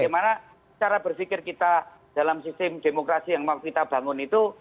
bagaimana cara berpikir kita dalam sistem demokrasi yang mau kita bangun itu